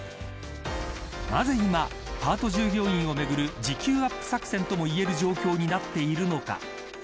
なぜ今、パート従業員をめぐる時給アップ作戦ともいえる状況になっているのか。